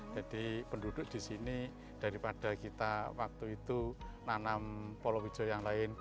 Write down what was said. jadi penduduk di sini daripada kita waktu itu nanam polo hijau yang lain